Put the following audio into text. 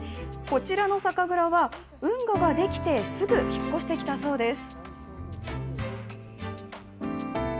こちらの酒蔵は、運河が出来てすぐ引っ越してきたそうです。